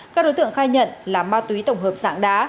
các đối tượng khai nhận là ma túy tổng hợp dạng đá